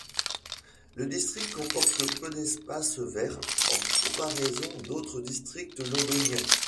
Le district comporte peu d'espaces verts en comparaison d'autres districts londoniens.